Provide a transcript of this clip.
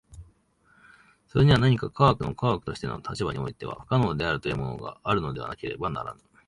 それには何か科学の科学としての立場においては不可能であるというものがあるのでなければならぬ。